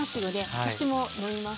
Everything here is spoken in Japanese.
私も飲みます。